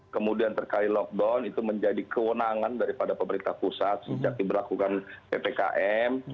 kemudian terkait lockdown itu menjadi kewenangan daripada pemerintah pusat sejak diberlakukan ppkm